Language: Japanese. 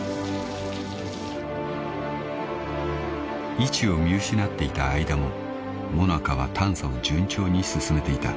［位置を見失っていた間もＭＯＮＡＣＡは探査を順調に進めていた］